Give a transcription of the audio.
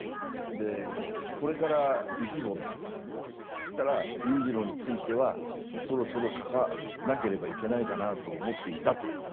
そしたら裕次郎についてはそろそろ書かなければいけないかなと思っていたと。